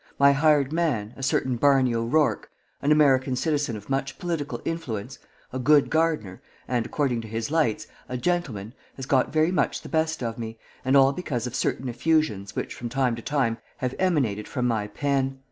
My hired man, a certain Barney O'Rourke, an American citizen of much political influence, a good gardener, and, according to his lights, a gentleman, has got very much the best of me, and all because of certain effusions which from time to time have emanated from my pen.